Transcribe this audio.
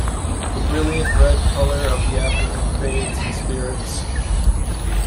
The brilliant red colour of the abdomen fades in spirits.